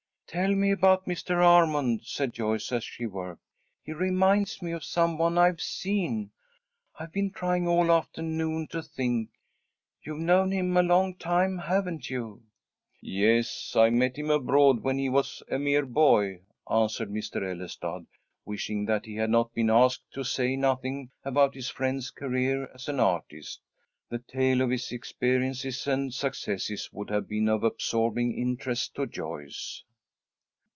"Tell me about Mr. Armond," said Joyce, as she worked. "He reminds me of some one I've seen. I've been trying all afternoon to think. You've known him a long time, haven't you?" "Yes, I met him abroad when he was a mere boy," answered Mr. Ellestad, wishing that he had not been asked to say nothing about his friend's career as an artist. The tale of his experiences and successes would have been of absorbing interest to Joyce.